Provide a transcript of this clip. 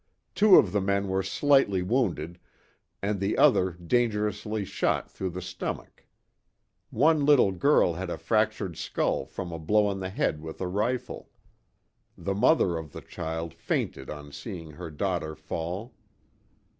Two of the men were slightly wounded, and the other dangerously shot through the stomach. One little girl had a fractured skull from a blow on the head with a rifle. The mother of the child fainted on seeing her daughter fall.